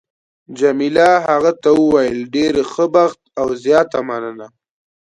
جميله هغه ته وویل: ډېر ښه بخت او زیاته مننه.